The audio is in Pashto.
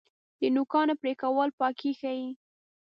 د نوکانو پرې کول پاکي ښیي.